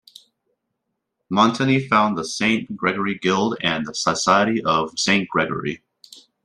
Montani founded the Saint Gregory Guild and the Society of Saint Gregory.